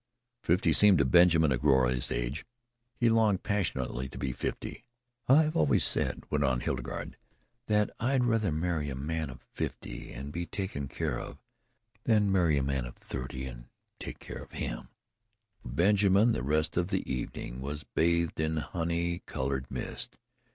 Fifty seemed to Benjamin a glorious age. He longed passionately to be fifty. "I've always said," went on Hildegarde, "that I'd rather marry a man of fifty and be taken care of than marry a man of thirty and take care of him." For Benjamin the rest of the evening was bathed in a honey coloured mist.